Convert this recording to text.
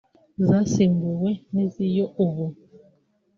zasimbuwe n’iziyo ubu